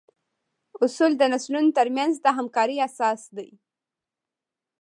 اصول د نسلونو تر منځ د همکارۍ اساس دي.